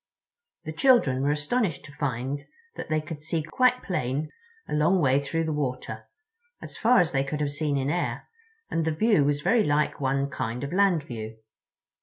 The children were astonished to find that they could see quite plain a long way through the water—as far as they could have seen in air, and the view was very like one kind of land view.